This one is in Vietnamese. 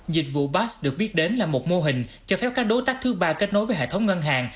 dịch vụ bas được biết đến là một mô hình cho phép các đối tác thứ ba kết nối với hệ thống ngân hàng